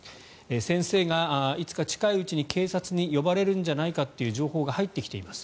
先生がいつか近いうちに警察に呼ばれるんじゃないかという情報が入ってきています